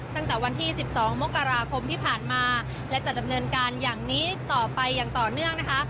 ตั้งแต่วันที่๑๒มกราคมที่ผ่านมาและจะดำเนินการอย่างนี้ต่อไปอย่างต่อเนื่องนะคะ